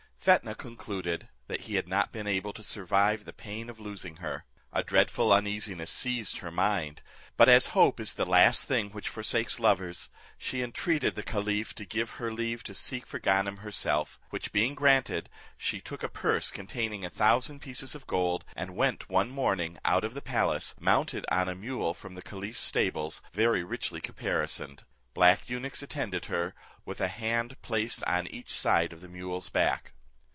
Fetnah concluded, that he had not been able to survive the pain of losing her. A dreadful uneasiness seized her mind; but as hope is the last thing which forsakes lovers, she entreated the caliph to give her leave to seek for Ganem herself; which being granted, she took a purse containing a thousand pieces of gold, and went one morning out of the palace, mounted on a mule from the caliph's stables, very richly caparisoned. Black eunuchs attended her, with a hand placed on each side of the mule's back.